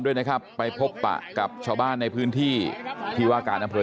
ด้วยนะครับไปพบปะกับชาวบ้านในพื้นที่ที่ว่าการอำเภอ